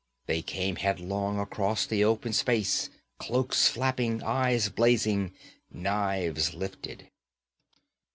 They came headlong across the open space, cloaks flapping, eyes blazing, knives lifted.